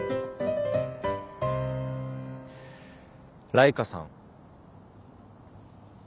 ライカさん。